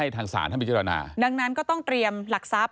ทางศาลท่านพิจารณาดังนั้นก็ต้องเตรียมหลักทรัพย